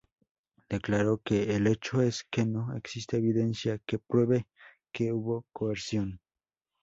Declaró que "el hecho es que no existe evidencia que pruebe que hubo coerción".